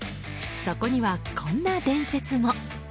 そこにはこんな伝説も。